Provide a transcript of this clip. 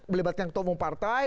belibatkan ketua umum partai